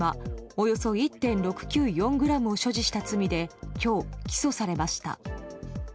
およそ１．６９４ｇを所持した罪で今日、起訴されました。